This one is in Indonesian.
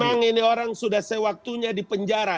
memang ini orang sudah sewaktunya di penjara